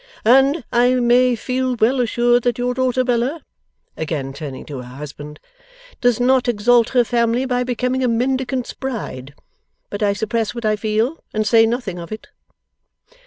And I may feel well assured that your daughter Bella,' again turning to her husband, 'does not exalt her family by becoming a Mendicant's bride. But I suppress what I feel, and say nothing of it.